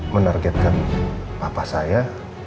menargetkan papa saya